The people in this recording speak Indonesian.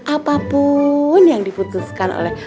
apapun yang diputuskan oleh